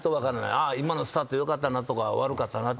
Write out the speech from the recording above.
ああ今のスタート良かったなとか悪かったなって。